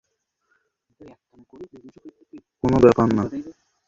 কোনও ব্যাপার না!